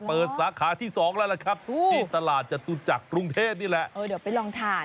สาขาที่สองแล้วล่ะครับที่ตลาดจตุจักรกรุงเทพนี่แหละเออเดี๋ยวไปลองทาน